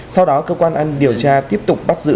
sau đó cơ quan an điều tra tiếp tục bắt giữ